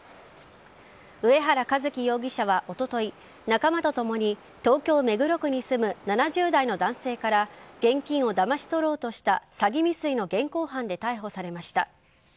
上原一輝容疑者はおととい仲間とともに東京・目黒区に住む７０代の男性から現金をだまし取ろうとした詐欺未遂の現行犯で逮捕されました。